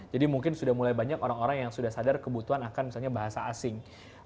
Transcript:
jadi mungkin sudah mulai banyak orang orang yang sudah sadar kebutuhan akan misalnya bahasa asing